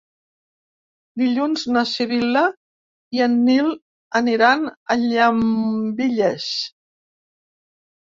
Dilluns na Sibil·la i en Nil aniran a Llambilles.